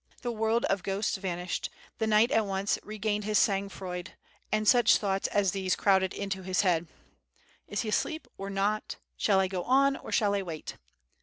The world of ghosts vanished, the knight at once regained his sang froid; ana such thoughts as these crowded into his head: "Is he asleep or not, shall I go on or shall I wait?"